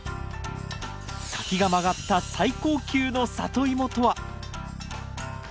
先が曲がった最高級のサトイモとは？